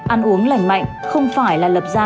ăn uống lành mạnh không phải là lập ra